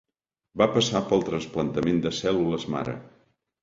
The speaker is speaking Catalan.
Va passar pel trasplantament de cèl·lules mare.